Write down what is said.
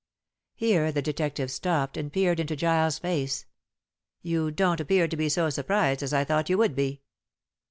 Here the detective stopped and peered into Giles' face. "You don't appear to be so surprised as I thought you would be."